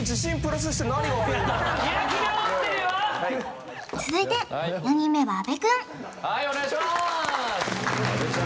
はいお願いしまーす